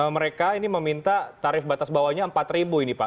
mereka ini meminta tarif batas bawahnya rp empat ini pak